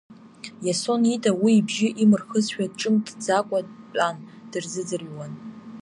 Иасон ида, уи ибжьы имырхызшәа ҿымҭӡакәа дтәан дырзыӡырҩуан.